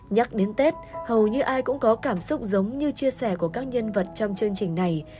nhắc đến tết hầu như ai cũng có cảm xúc giống như chia sẻ của các nhân vật trong chương trình này